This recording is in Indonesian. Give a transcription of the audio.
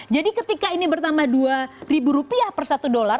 jadi ketika ini bertambah dua ribu rupiah per satu dolar